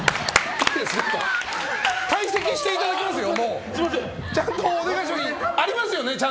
退席していただきますよ！